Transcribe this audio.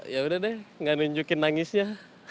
yaudah deh gak nunjukin nangisnya